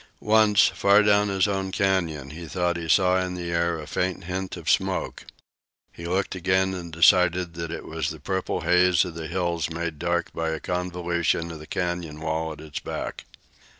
Once, far down his own canyon, he thought he saw in the air a faint hint of smoke. He looked again and decided that it was the purple haze of the hills made dark by a convolution of the canyon wall at its back.